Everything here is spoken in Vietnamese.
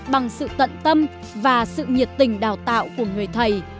bằng sự tận tâm và sự nhiệt tình đào tạo của người thầy